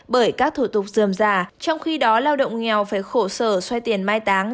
bởi các thủ tục dườm già trong khi đó lao động nghèo phải khổ sở xoay tiền mai táng